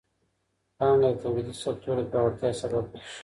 پانګه د توليدي سکتور د پياوړتيا سبب کېږي.